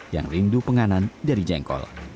yang rindu penganan dari jengkol